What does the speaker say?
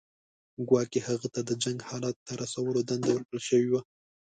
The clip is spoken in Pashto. ګواکې هغه ته د جنګ حالت ته رسولو دنده ورکړل شوې وه.